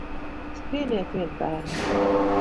Skrieniet vien, bērni!